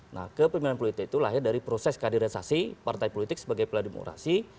nah kepemimpinan politik itu lahir dari proses kaderisasi partai politik sebagai pela demokrasi